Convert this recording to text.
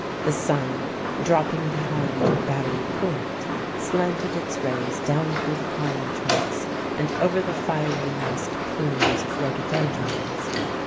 The sun, dropping behind Battery Point, slanted its rays down through the pine trunks and over the fiery massed plumes of rhododendrons.